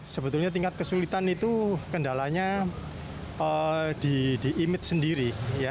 sebetulnya tingkat kesulitan itu kendalanya di image sendiri